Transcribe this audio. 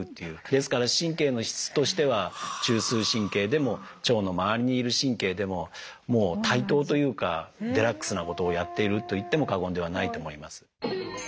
ですから神経の質としては中枢神経でも腸のまわりにいる神経でももう対等というかデラックスなことをやっていると言っても過言ではないと思います。